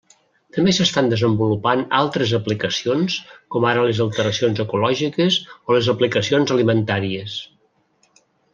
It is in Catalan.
També s'estan desenvolupant altres aplicacions com ara les alteracions ecològiques o les aplicacions alimentàries.